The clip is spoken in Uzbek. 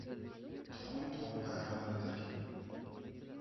• Tuxum tovuqqa aql o‘rgatarkan.